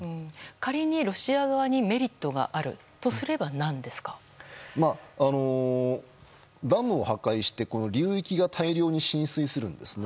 仮に、ロシア側にメリットがあるとすればダムを破壊して流域が大量に浸水するんですね。